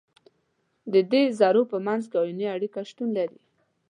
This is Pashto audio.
د دې ذرو په منځ کې آیوني اړیکه شتون لري.